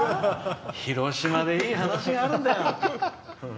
広島でいい話があるんだよ。